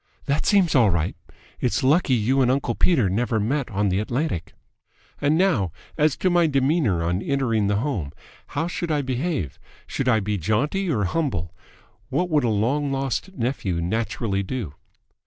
"That seems all right. It's lucky you and uncle Peter never met on the Atlantic." "And now as to my demeanour on entering the home? How should I behave? Should I be jaunty or humble? What would a long lost nephew naturally do?"